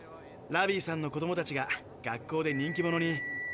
ラビィさんの子供たちが学校で人気者に。